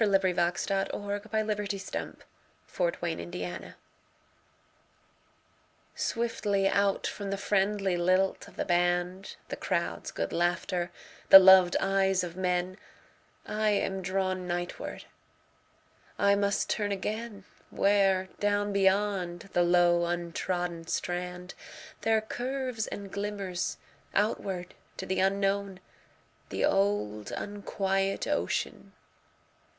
Collected Poems. 1916. I. 1905–1908 8. Seaside SWIFTLY out from the friendly lilt of the band, The crowd's good laughter, the loved eyes of men,I am drawn nightward; I must turn againWhere, down beyond the low untrodden strand, There curves and glimmers outward to the unknownThe old unquiet ocean.